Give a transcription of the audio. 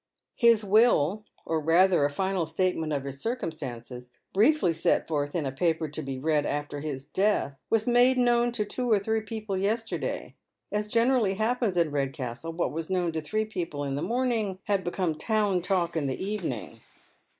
His will — or rather, a final statement of his circumstances, briefly set forth in a paper to be read after his death, was made known to two or three people yesterday. As generally happens in Redcastle, what was known to three people in the morning had become town talk in the evening.